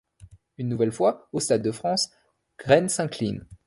Une nouvelle fois, au stade de France, Rennes s'incline.